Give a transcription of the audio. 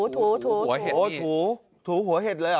ถูถูหัวเห็ดเลยเหรอ